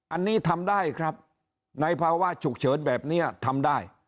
อันนี้ทำได้ครับในภาวะฉุกเฉินแบบนี้ทำได้